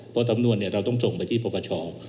เพราะสำนวนเราต้องส่งไปที่ปปช